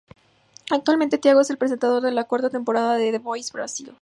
Actualmente, Tiago es el presentador de la cuarta temporada de The Voice Brasil.